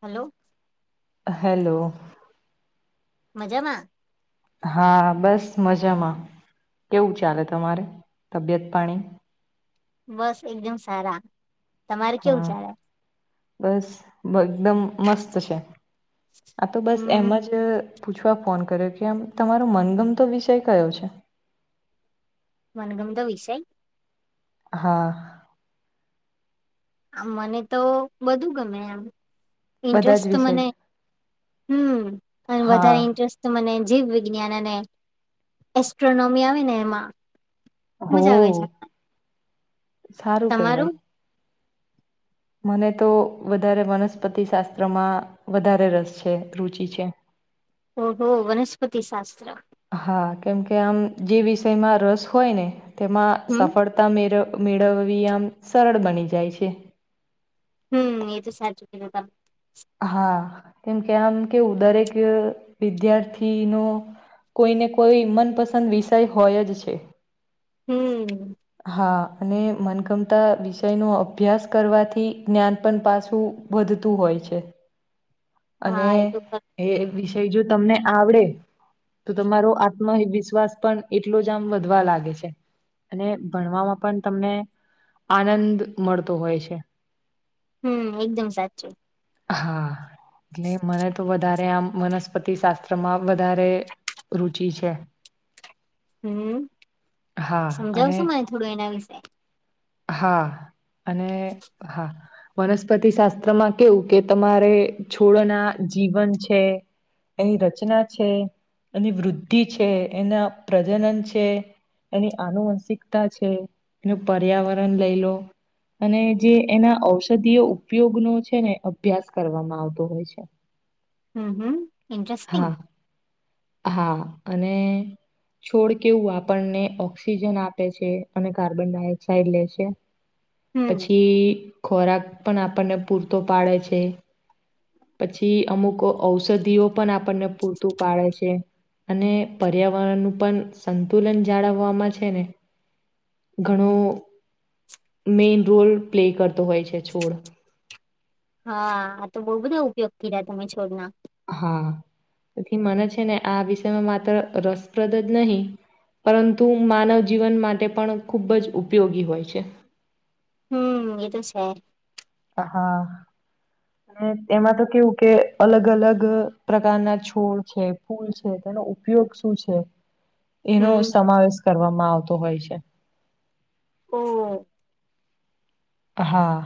Hello hello મજામાં હા બસ મજામાં કેવું ચાલે તમારે તબિયત પાણી બસ એકદમ સારા તમારે કેવું હા ચાલે બસ બ એકદમ મસ્ત છે આ તો બસ એમ હમ જ પૂછવા ફોન કર્યો કે આમ તમારો મનગમતો વિષય કયો છે મનગમ તો વિષય હા. આમ મને તો બધું ગમે એમ. બધા જ ઇન્ટરેસ્ટ તો વિષય મને હમ્મ પણ હા વધારે ઇન્ટરેસ્ટ મને જીવ વિજ્ઞાન અને એસ્ટ્રોનોમી આવે ને એમાં હો મજા આવે છે સારું તમારું કહેવાય. મને તો વધારે વનસ્પતિ શાસ્ત્રમાં વધારે રસ છે રુચિ છે. ઓહો વનસ્પતિશાસ્ત્ર! હા કેમકે આમ જે વિષયમાં રસ હોય ને તેમાં હમ સફળતા મેરવ મેળવવી આમ સરળ બની જાય છે. હમ્મ એ તો સાચું કીધ તમે. હા કેમ કે આમ કેવું દરેક વિદ્યાર્થીનો કોઈ ને કોઈ મનપસંદ વિષય હોય જ છે. હમ્મ. હા અને મનગમતા વિષય નો અભ્યાસ કરવાથી જ્ઞાન પણ પાછું વધતું હોય છે. અને હા એ તો ખરું. એ વિષય જો તમને આવડે તો તમારો આત્મવિશ્વાસ પણ એટલો જ આમ વધવા લાગે છે. અને ભણવામાં પણ તમને આનંદ મળતો હોય છે. હમ્મ એકદમ સાચું. હા એટલે મને તો વધારે આમ વનસ્પતિ શાસ્ત્રમાં વધારે રુચિ છે. હમ્મ હા અને સમજાવશો મને થોડું એના વિશે? હા અને હા વનસ્પતિ શાસ્ત્રમાં કેવું કે તમારે છોડના જીવન છે એની રચના છે એની વૃદ્ધિ છે એના પ્રજનન છે એની આનુવંશિકતા છે એનું પર્યાવરણ લઈ લો અને જે એના ઔષધીય ઉપયોગનો છે ને અભ્યાસ કરવામાં આવતો હોય છે. હમ્મ હમ્મ ઇન્ટરેસ્ટિંગ! હા હા અને છોડ કેવું આપણને ઓક્સિજન આપે છે અને કાર્બન ડાયોક્સાાઈડ લે છે. હમ પછી ખોરાક પણ આપણને પૂરતો પાડે છે. પછી અમુક ઔષધિઓ પણ આપણને પૂરતું પાડે છે. અને પર્યાવરણ નું પણ સંતુલન જાળવવામાં છે ને ઘણો મેઈન રોલ પ્લે કરતો હોય છે છોડ હા આ તો બઉુ બધા ઉપયોગ કર્યા તમે છોડના. હા પથી મને છે ને આ વિષયમાં માત્ર રસપ્રદ જ નહી પરંતુ માનવ જીવન માટે પણ ખૂબ જ ઉપયોગી હોય છે. હમ્મ એ તો છે. હા. અને એમાં તો કેવું કે અલગ અલગ પ્રકારના છોડ છે ફૂલ છે. એનો ઉપયોગ શું છે. એનો હમ સમાવેશ કરવામાં આવતો હોય છે. ઓ હા.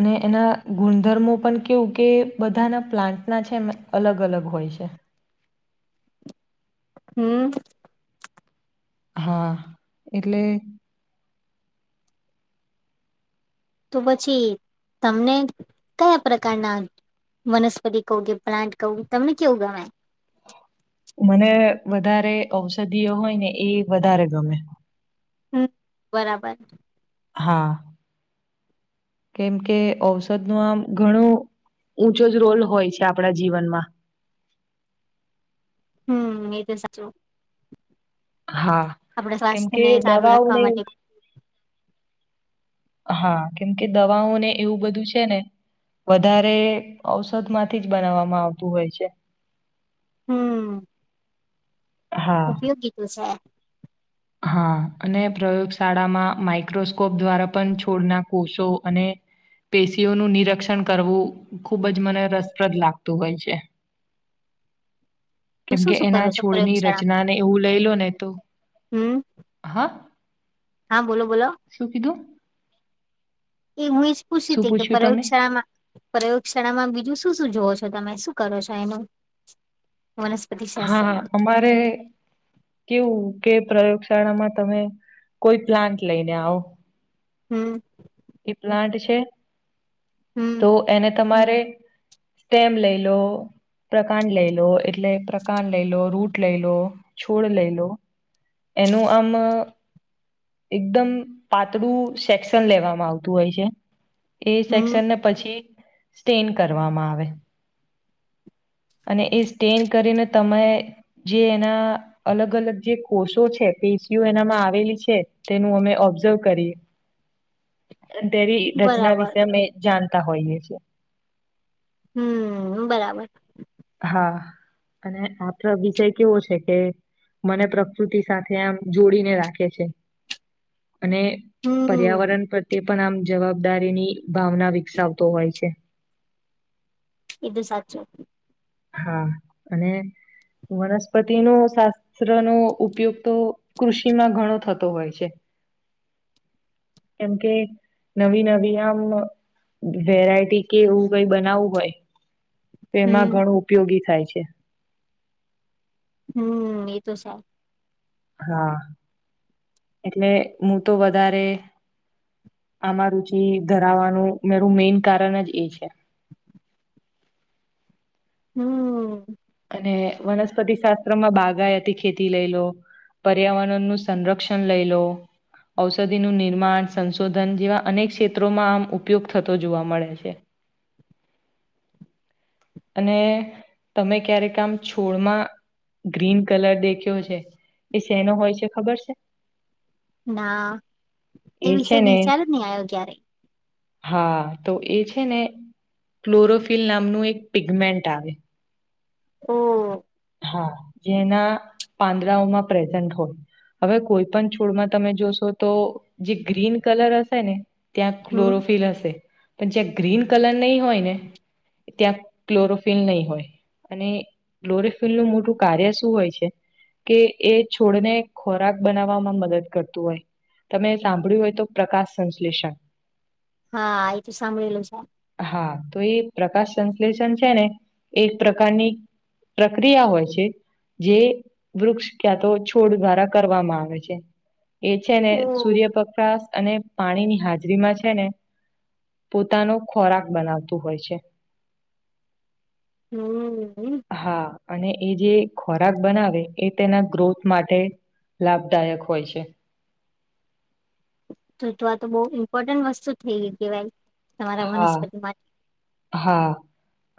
અને એના ગુણધર્મો પણ કેવું કે બધાના પ્લાન્ટના છે એમ અલગ અલગ હોય છે. [unintelligible] હમ્મ. હા એટલે તો પછી તમને કયા પ્રકારના. વનસ્પતિ કહો કે પ્લાન્ટ કહો તમને કેવું ગમે. હા. મને વધારે ઔષધિઓ હોય ને એ વધારે ગમે. હમ બરાબર. હા. કેમ કે ઔષધ નું આમ ઘણું. ઊંચો જ રોલ હોય છે આપણા જીવનમાં. હમ એ તો સાચું. હા આપણા કેમ કે સ્વાસ્થ્યને સારું દવાઓને રાખવા માટે હા કેમ કે દવાઓ ને એવું બધું છે ને. વધારે ઔષધ માંથી જ બનાવવામાં આવતું હોય છે. હમ હા, ઉપયોગી તોું છે. હા અને પ્રયોગશાળામાં માઈક્રોસ્કોપ દ્વારા પણ છોડના કોષો અને. પેશીઓનું નિરીક્ષણ કરવું ખૂબ જ મને રસપ્રદ લાગતું હોય છે. તો કેમ શું કે શું એના કરો છો છોડની પ્રયોગશાળા રચના ને એવું લઈ લો ને તો. હમ. હા હા બોલો બોલો. શું કીધું? એ હું એ જ પૂછી શું હતી કે પૂછ્યું તમે? પ્રયોગશાળામાં પ્રયોગશાળામાં બીજું શું શું જોવો છો. તમે શું કરો છો એનું. વનસ્પતિ હા શાસ્ત્રમાં અમારે કેવું. કે પ્રયોગશાળામાં તમે કોઈ પ્લાન્ટ લઈને આવો. હમ. એ પ્લાન્ટ છે હમ તો એને તમારે. સ્ટેમ લઈ લો. પ્રકાંડ લઈ લો એટલે પ્રકાંડ લઈ લો રૂટ લઈ લો છોડ લઈ લો. એનો આમ. એકદમ પાતળું સેક્શન લેવામાં આવતું હોય છે. એ હમ સેક્શનને પછી સ્ટેન કરવામાં આવે. અને એ સ્ટેન કરીને તમે જે એના અલગ અલગ જે કોષો છે. પસીયુ એનામાં આવેલી છે તેનું અમે ઓબ્ઝર્વ કરીએ. અ તેરી રચના બરાબર વિશે અમે જાણતા હોઈએ છીએ. હમ બરાબર. હા અને આપો વિષય કેવો છે કે. મને પ્રકૃતિ સાથે આમ જોડીને રાખે છે. અને હમ પર્યાવરણ પ્રત્યે. પણ આમ જવાબદારી ની ભાવના વિકસાવતો હોય છે. એધું સાચું. હા અને વનસ્પતિ નો શાસ્ત્ર નો ઉપયોગ તો. કૃષિમાં ઘણો થતો હોય છે. કેમ કે નવી નવી આમ. વેરાયટી કે એવું કઈ બનાવવું હોય. તેમાં હમ ઘણું ઉપયોગી થાય છે. હમ એ તો સારું. હા એટલે હું તો વધારે. આમાં રુચિ ધરાવાનું મેરું મેન કારણ જ એ છે. [inaudible] હમ. અનેને વનસ્પતિ શાસ્ત્ર માં બાગાય હતી ખેતી લઈ લો. પર્યાવરણનુંું સંરક્ષણ લઈ લો. ઔષધિનું નિર્માણ સંશોધન, જેવા અનેક ક્ષેત્રોમાં આમ ઉપયોગ થતો, જોવા મળે છે. અને તમે ક્યારેક, આમ છોડમાં. ગ્રીન કલર દેખ્યો છે, એ સેનો હોય છે, ખબર છે? ના, એ વિષ છે ને વિચાર નહી, આવ્યો ક્યારે. હા, તો એ છેને, ક્લોરોફિલ નામનું એક. પિગમેન્ટ આવે. ઓ. હા, જેના પાંદડાઓમાં પ્રેઝન્ટ હોય. હવે, કોઈ પણ છોડમા, તમે જોશો તો જે ગ્રીન કલર હશે ને. ત્યાં હમ ક્લોરોફિલ, હશે પણ જ્યાં ગ્રીન કલર નહી, હોય ને. ત્યાં ક્લોરોફિન નહીં, હોય અને ક્લોફ. ફીલનું મોટું કાર્ય, શું હોય છે? કે એ છોડને, ખોરાક બનાવવામાં મદદ કરતું હોય. તમે સાંભળ્યું હોય, તો પ્રકાશ સંશ્લેષણ. હા, એ તો સાંભળેલું છે. હા, તો એ પ્રકાશ સંશ્લેષણ છેને, એક પ્રકારની. પ્રક્રિયા હોય, છે. જે વૃક્ષ, ક્યાં તો છોડ દ્વારા કરવામાં આવે છે. એ છેને, ઓ સૂર્યપપશ અને પાણી ની હાજરીમાં છે ને. પોતાનો ખોરાક, બનાવતું હોય છે હા [unintelligible] અને એ જે ખોરાક બનાવે, એ તેના ગ્રોથ માટે લાભદાયક, હોય છે. જતવા, તો બહ ઇમ્પોર્ટન્ટ વસ્તુ થઈ, ગઈ કે ભાઈ. તમારા, હા વનસ્પતિ માટે હા.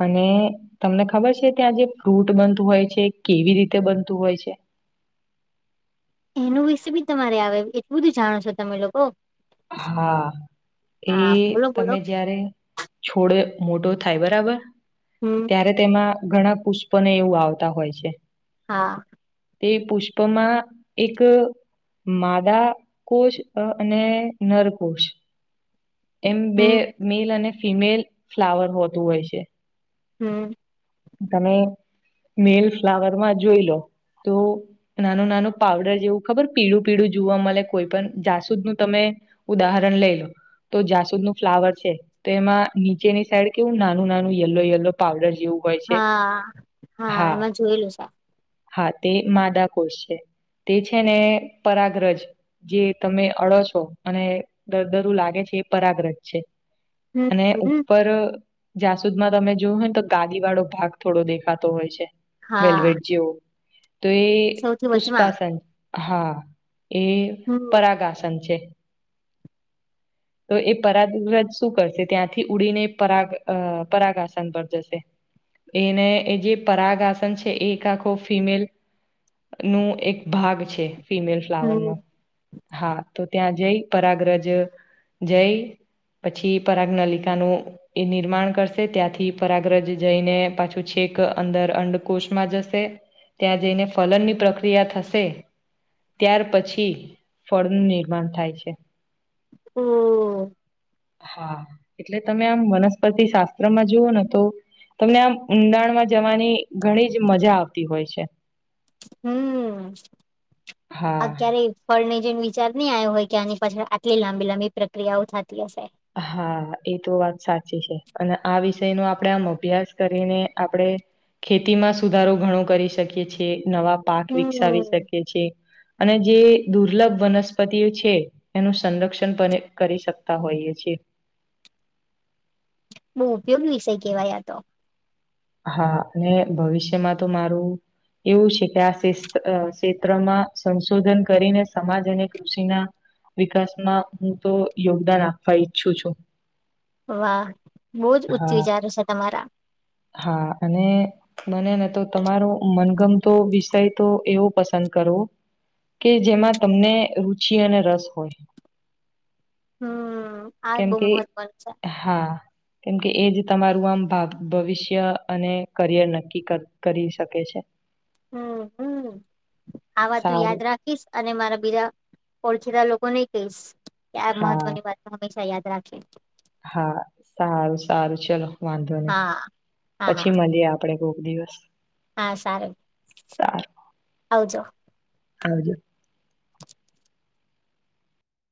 અને તમને ખબર છે, ત્યાં જે ફ્રૂટ બનતું હોય, છે કેવી રીતે બનતું હોય છે. [unintelligible] એનું વિશે બી, તમારે આવે એટલું બધું જાણો છો, તમે લોકો. હા, એ હા બોલો બોલો તમે જયારે છોડ મોટો થાય બરાબર, હમ ત્યારે તેમાં ઘણા પુષ્પને એવું આવતા હોય છે. હા. તે પુષ્પમાં એક માદા કોશ, અને નરકોશ એમ બે હમ મેલ અને ફિમેલ ફ્લાવર હોતું, હોય છે. હમ્મ. તમે મેલ ફ્લાવરમા જોઈ, લો. તો નાનું નાનું પાવડર, જેવું ખબર પીળું પીળું જોવા, મળે કોઈ પણ જાસૂદનું તમે ઉદાહરણ લઈ, લો તો જાસુદ નું ફ્લાવર છે, તો એમાં નીચેની સાઈડ કેવું નાનું, નાનું યલો, યલો પાવડર જેવું. હોય છે હા, હા એમાં જોયેલું છે. હા, તે માદા કોષ છે. તે છેને પરાગ્રજ, જે તમે અડો છો, અને દર દરું લાગે છે. પરાગ્રત છે, હમ અને હમ ઉપર જાસુદમા તમે જોયું હોયને, તો ગ વાળો ભાગ થોડો દેખાતો હોય છે, હા વેલવેટ જેવો તો એ સૌથી વચમાં પુષ્પાસન, હા એ હમ પરાગાસન છે તો એ પરાગ વિરાજ શું કરશે, ત્યાંથી ઉડીને પરાગ પરાગાસન પર જશે. એને એ જે પરાગાસન છે, એ એક આખો ફિમેલ નું એક ભાગ છે. ફિમેલ ફ્લાવરનો હમ હા, તો ત્યાં જય પરાગ્રજ જય પછી પરાગ નલિકાનું એ નિર્માણ કરશે ત્યાંથી પરાગ્રજ જઈને પાછું છે. એક અંદર અંડકોશમાં જશે ત્યાં જઈને ફલન ની પ્રક્રિયા થશે. ત્યાર પછી ફળનું નિર્માણ થાય છે. હમ. હા એટલે તમે આમ વનસ્પતિ શાસ્ત્ર માં જુઓ ને તો. તમને આમ ઉઊંડાણમાં જવાની ઘણી જ મજા આવતી હોય છે. હમ હા. અત્યારે ફર. વિચાર ની આવ્યો હોય કે આની પાછળ આટલી લાંબી લાંબી પ્રક્રિયાઓ થતી હશે. હા એ તો વાત સાચી છે અને આ વિષય નો આપણે આમ અભ્યાસ કરીને આપણેે. ખેતીમાં સુધારો ઘણો કરી શકીએી નવા પાક વિકસાવી હમ શકી છે. અને જે દુર્લભ વનસ્પતિઓ છે એનું સંરક્ષણ પણ કરી શકતા હોઈએ. છે. બું ઉપયોગ વિષય કેવાય તો. હા અને ભવિષ્યમાં તો મારું. એવું છે કે આ ક્ષેત્રમાં સંશોધન કરીને સમાજ અને કૃષિના. વિકાસમાં હું તો યોગદાન આપવા ઈચ્છું છું. વાહ બહુજ ઊચ્ચ હા વિચાર છે તમારા. હા અને મને ને તો તમારો મનગમતો વિષય તો એવો પસંદ. કે જેમાં તમને રુચિ અને રસ હોય. હમ આ કેમ બહુ કે મહત્વનું છે હા. કેમકે એજ તમારું આમ ભાગ. ભવિષ્ય અને કરિયર નક્કી કરી શકે છે. હ આ વાતું સારું યાદ રાખીશ અને મારા બીજા ઓળખીતા લોકો. ન કહીશ કે આ હા મહત્વની વાત હંમેશા યાદ રાખશે. હા સારું સારું ચલો વાંધો નહી હા હા હા પછી મળીએ આપડે. રોગ દિવસ. હા સારું આવવજો. હજ.